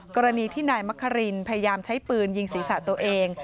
กรณีที่นายมะครินพยายามใช้ปืนยิงศีรษะตัวเอง